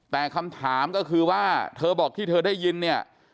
แต่คำถามก็คือว่าเธอบอกที่เธอได้ยินเนี่ย